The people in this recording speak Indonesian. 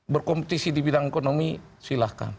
berkompetisi di bidang ekonomi silahkan